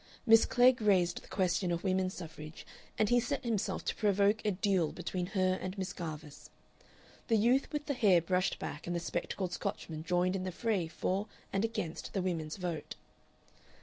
Miss Klegg raised the question of women's suffrage, and he set himself to provoke a duel between her and Miss Garvice. The youth with the hair brushed back and the spectacled Scotchman joined in the fray for and against the women's vote.